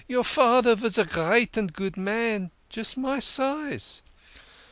'"YOUR FADER VAS A GREAT AND GOOD MAN JUST MY SIZE.'"